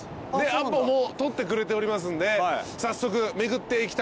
アポも取ってくれておりますんで早速巡っていきたいと思います。